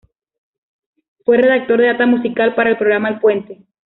Fue redactor de data musical para el programa "El Puente".